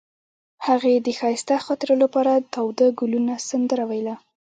هغې د ښایسته خاطرو لپاره د تاوده ګلونه سندره ویله.